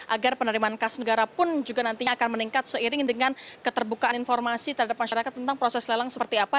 agar penerimaan kas negara pun juga nantinya akan meningkat seiring dengan keterbukaan informasi terhadap masyarakat tentang proses lelang seperti apa